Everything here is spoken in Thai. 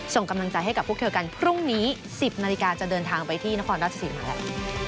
ส่งกำลังใจให้กับพวกเธอกันพรุ่งนี้๑๐นาฬิกาจะเดินทางไปที่นครราชสีมาแล้ว